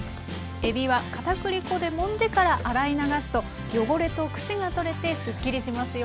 えびはかたくり粉でもんでから洗い流すと汚れとくせが取れてすっきりしますよ。